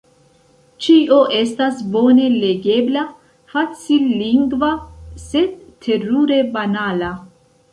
Ĉio estas bone legebla, facillingva, sed – terure banala!